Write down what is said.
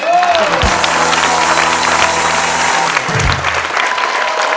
ไม่ใช้นะครับ